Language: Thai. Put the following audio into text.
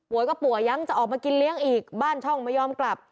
ก็ป่วยยังจะออกมากินเลี้ยงอีกบ้านช่องไม่ยอมกลับ